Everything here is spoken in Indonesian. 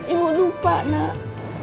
ibu lupa nak